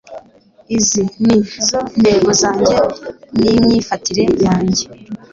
izi ni zo ntego zanjye n'imyifatire yanjye